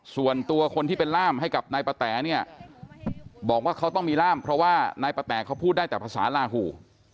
ส่วนตัวคนที่เป็นล่ามให้กับนายปะแต๋เนี่ยบอกว่าเขาต้องมีร่ามเพราะว่านายปะแตเขาพูดได้แต่ภาษาลาหู